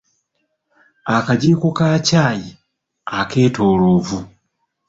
Akajiiko ka ccaayi akeetoolovu.